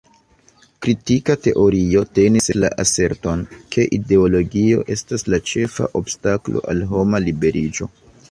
Kritika teorio tenis la aserton, ke ideologio estas la ĉefa obstaklo al homa liberiĝo.